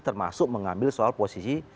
termasuk mengambil soal posisi